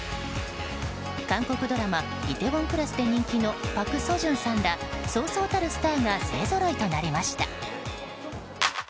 韓国ドラマ「梨泰院クラス」で人気のパク・ソジュンさんらそうそうたるスターが勢ぞろいとなりました。